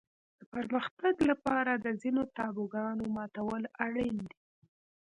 د پرمختګ لپاره د ځینو تابوګانو ماتول اړین دي.